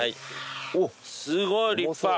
すごい立派。